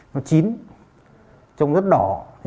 nó chín trông rất đỏ